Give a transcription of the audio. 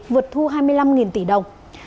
vượt thu hai mươi năm tỷ đồng